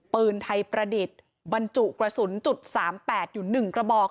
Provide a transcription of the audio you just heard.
ปืนไทยประดิษฐ์บรรจุกระสุนจุด๓๘อยู่๑กระบอก